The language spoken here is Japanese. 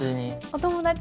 お友達。